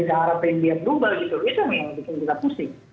itu yang bikin kita pusing